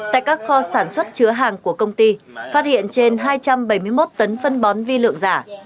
tại các kho sản xuất chứa hàng của công ty phát hiện trên hai trăm bảy mươi một tấn phân bón vi lượng giả